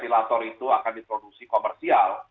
relator itu akan diproduksi komersial